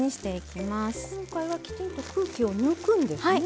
今回はきちんと空気を抜くんですね。